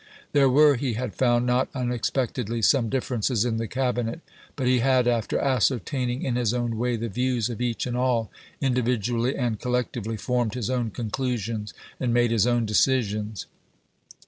There were, he had found, not unexpectedly, some differences in the Cabinet; but he had, after ascertaining in his own way the views of each and all, individually and collectively, formed his own conclusions and made his own decisions.